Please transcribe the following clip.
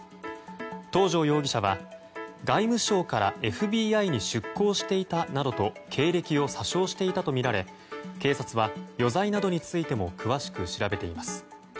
東條容疑者は、外務省からＦＢＩに出向していたなどと経歴を詐称していたとみられ警察は、余罪などについても詳しく調べています。